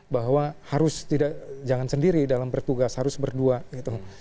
bahwa harus tidak jangan sendiri dalam bertugas harus berdua gitu